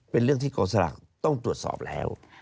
เป็นเรื่องที่กองสลากต้องตรวจสอบแล้ว